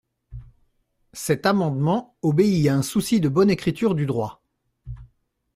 Cet amendement obéit à un souci de bonne écriture du droit.